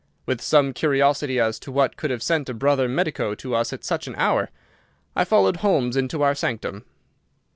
With some curiosity as to what could have sent a brother medico to us at such an hour, I followed Holmes into our sanctum.